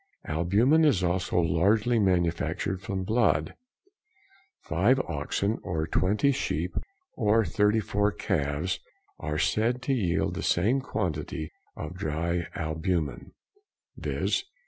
Albumen is also largely manufactured from blood; 5 oxen or 20 sheep or 34 calves are said to yield the same quantity of dry albumen, viz.